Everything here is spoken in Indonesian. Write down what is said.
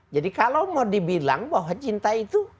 jadi kalau mau dibilang bahwa cinta itu